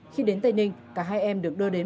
khi đến tây ninh cả hai em được đưa đến